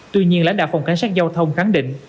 tuy nhiên lãnh đạo phòng cảnh sát giao thông khẳng định